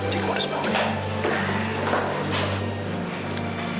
jika mau disemangkan